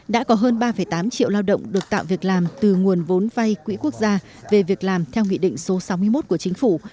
đã có hơn ba tám triệu lao động được tạo việc làm từ nguồn vốn vay quỹ quốc gia về việc làm theo nghị định số sáu mươi một của chính phủ